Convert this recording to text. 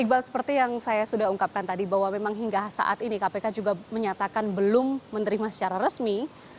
iqbal seperti yang saya sudah ungkapkan tadi bahwa memang hingga saat ini kpk juga menyatakan belum menerima secara resmi